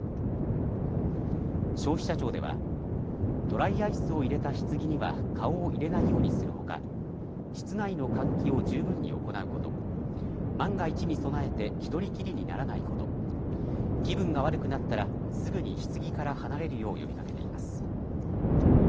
消費者庁ではドライアイスを入れたひつぎには顔を入れないようにするほか室内の換気を十分に行うこと、万が一に備えて１人きりにならないこと、気分が悪くなったらすぐにひつぎから離れるよう呼びかけています。